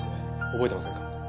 覚えてませんか？